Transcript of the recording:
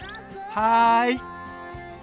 はい！